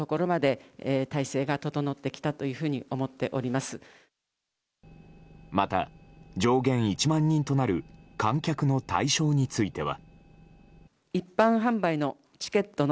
また、上限１万人となる観客の対象については。